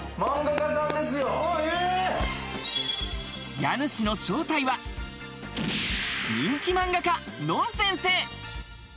家主の正体は、人気漫画家ＮＯＮ先生。